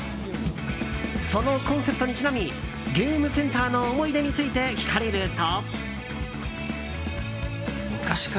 そのコンセプトにちなみゲームセンターの思い出について聞かれると。